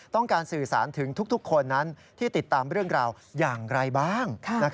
ต้องการสื่อสารถึงทุกคนนั้นที่ติดตามเรื่องราวอย่างไรบ้าง